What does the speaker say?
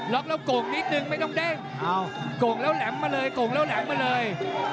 ็อกแล้วโก่งนิดนึงไม่ต้องเด้งโก่งแล้วแหลมมาเลยโก่งแล้วแหลมมาเลย